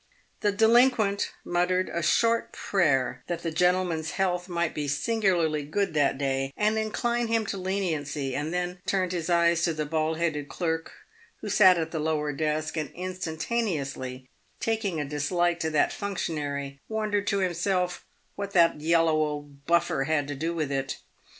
The delinquent muttered a short prayer that the gentleman's health might be singu larly good that day, and incline him to leniency, and then turned his eyes to the bald headed clerk who sat at the lower desk, and instanta neously taking a dislike to that functionary, wondered to himself " what that yellow old buffer had to do with it."